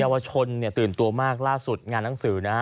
เยาวชนตื่นตัวมากล่าสุดงานหนังสือนะ